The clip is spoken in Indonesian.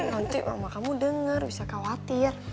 nanti mama kamu denger bisa khawatir